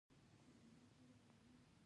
خو دو اړخ ته يې فکر نه و کړى.